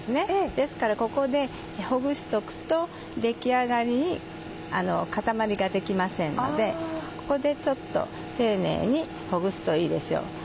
ですからここでほぐしておくと出来上がりに固まりができませんのでここでちょっと丁寧にほぐすといいでしょう。